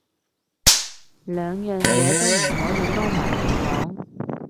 兩樣嘢唔可以撈埋嚟講